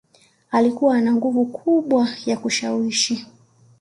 Alikuwa ana nguvu kubwa ya kushawishi